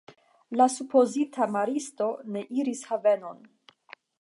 La supozita maristo ne iris havenon.